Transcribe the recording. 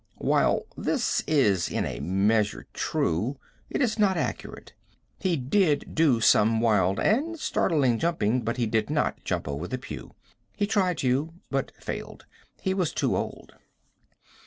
While this is in a measure true, it is not accurate. He did do some wild and startling jumping, but he did not jump over the pew. He tried to, but failed. He was too old.